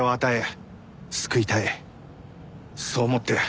そう思って。